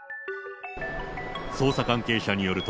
捜査関係者によると、